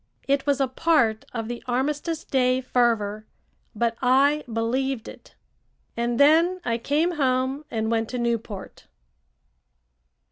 It was a part of the armistice day fervor, but I believed it. And then I came home and went to Newport.